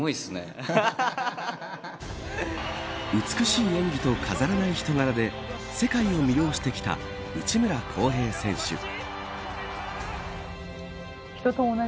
美しい演技と飾らない人柄で世界を魅了してきた内村航平選手。